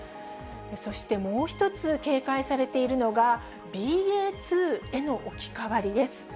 そしてもう一つ、警戒されているのがＢＡ．２への置き換わりです。